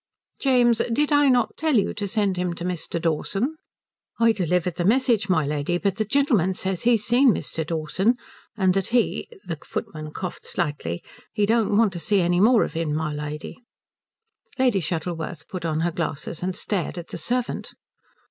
"James, did I not tell you to send him to Mr. Dawson?" "I delivered the message, my lady. But the gentleman says he's seen Mr. Dawson, and that he" the footman coughed slightly "he don't want to see any more of him, my lady." Lady Shuttleworth put on her glasses and stared at the servant.